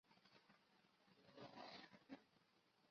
詹蒂亚神庙是位于地中海戈佐岛上的新石器时代巨石庙。